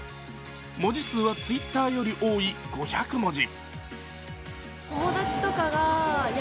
文字数はＴｗｉｔｔｅｒより多い、５００文字。